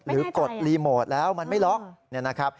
หรือกดรีโหมดแล้วมันไม่ล็อก